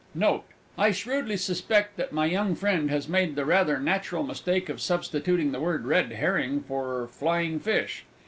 Note. I shrewdly suspect that my young friend has made the rather natural mistake of substituting the word "Red Herring" for "Flying Fish."